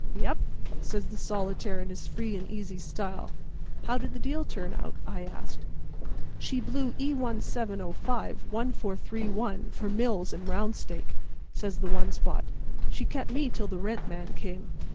"Yep," says the solitaire in his free and easy style. "How did the deal turn out?" I asked. "She blew E17051431 for milk and round steak," says the one spot. "She kept me till the rent man came.